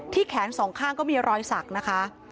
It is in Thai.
แขนสองข้างก็มีรอยสักนะคะ